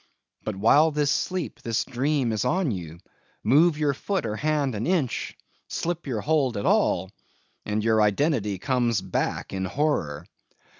But while this sleep, this dream is on ye, move your foot or hand an inch; slip your hold at all; and your identity comes back in horror.